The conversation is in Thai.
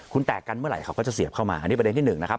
คุณแตกกันเมื่อไหร่เขาก็จะเสียบเข้ามาอันนี้ประเด็นที่หนึ่งนะครับ